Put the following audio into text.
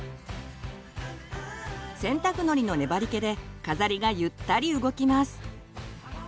洗濯のりの粘りけで飾りがゆったり動きます。